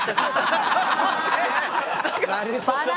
なるほど。